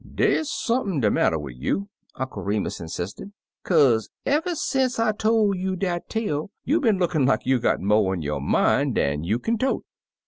"Dey's sump'n de matter wid you," Uncle Remus insisted, "kaze eve'y sence I tol' you dat tale, you been lookin' like you gof mo' on yo' min' dan you kin tote."